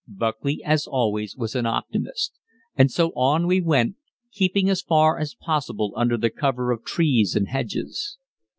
Buckley, as always, was an optimist; so on we went, keeping as far as possible under the cover of trees and hedges.